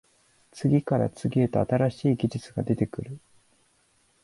次から次へと新しい技術が出てくる